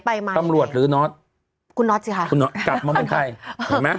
ไปมาตำรวจหรือนอสคุณนอสสิค่ะคุณนอสกลับมาบนใครเห็นไหม